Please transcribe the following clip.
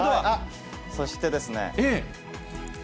そしてですね。